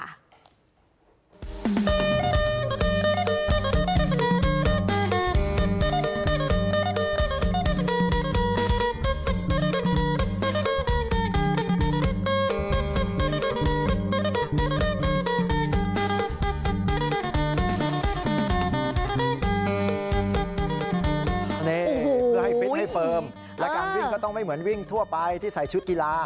นี่เพื่อให้ฟิตให้เฟิร์มและการวิ่งก็ต้องไม่เหมือนวิ่งทั่วไปที่ใส่ชุดกีฬา